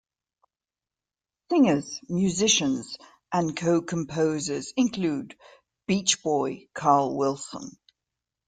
Singers, musicians and co-composers include; Beach Boy Carl Wilson.